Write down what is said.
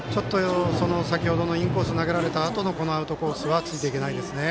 先程のインコースに投げられたあとのアウトコースはついていけないですね。